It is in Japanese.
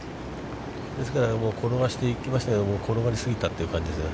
ですから、転がしていきましたけど、転がり過ぎたという感じですね。